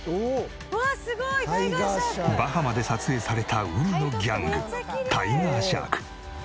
バハマで撮影された海のギャングタイガーシャーク。